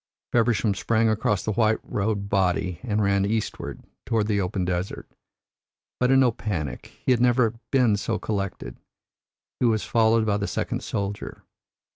Feversham sprang across the white robed body and ran eastward, toward the open desert. But in no panic; he had never been so collected. He was followed by the second soldier.